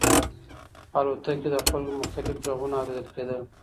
په الوتکه کې د خلکو مختلف غږونه اورېدل کېدل.